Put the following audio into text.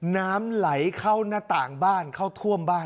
น้ำไหลเข้าหน้าต่างบ้านเข้าท่วมบ้าน